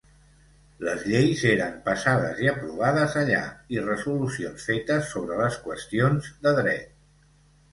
Les lleis eren passades i aprovades allà, i resolucions fetes sobre les qüestions de dret.